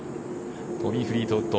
トミー・フリートウッド。